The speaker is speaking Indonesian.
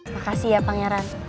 gak sih ya pangeran